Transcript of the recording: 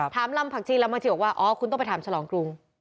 ถามลำผักชีแล้วมาเจอกว่าอ๋อคุณต้องไปถามชะลงกรุง